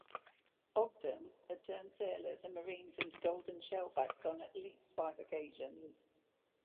"Ogden" had turned sailors and Marines into Golden Shellbacks on at least five occasions.